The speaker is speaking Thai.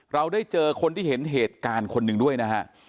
เราได้เจอคนที่เห็นเหตุการณ์คนหนึ่งด้วยนะฮะ